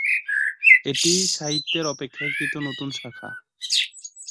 এটি সাহিত্যের অপেক্ষাকৃত নতুন শাখা।